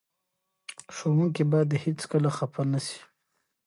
ښوونکي باید هېڅکله خفه نه سي.